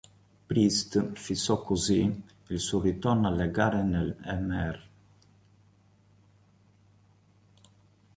Priest fissò così il suo ritorno alle gare nel Mr.